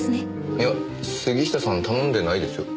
いや杉下さん頼んでないですよ。